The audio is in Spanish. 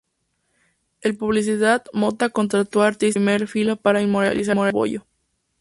En publicidad, Motta contrató a artistas de primera fila para inmortalizar su bollo.